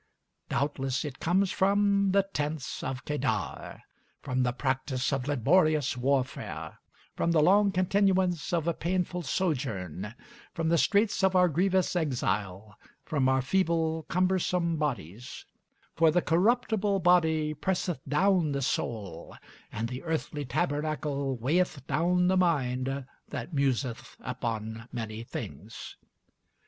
Doubtless it comes from the tents of Kedar, from the practice of laborious warfare, from the long continuance of a painful sojourn, from the straits of our grievous exile, from our feeble, cumbersome bodies; for the corruptible body presseth down the soul, and the earthly tabernacle weigheth down the mind that museth upon many things.